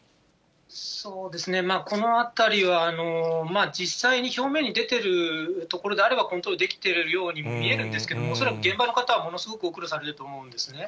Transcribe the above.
そうですね、このあたりはまあ、実際に表面に出ているところであれば、コントロールできているように見えるんですけれども、恐らく現場の方はものすごく、ご苦労されていると思うんですね。